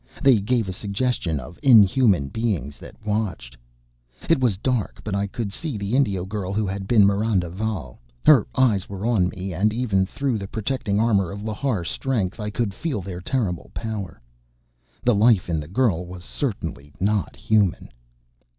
They gave a suggestion of inhuman beings that watched. It was dark but I could see the Indio girl who had been Miranda Valle. Her eyes were on me, and, even through the protecting armor of Lhar strength; I could feel their terrible power. The life in the girl was certainly not human!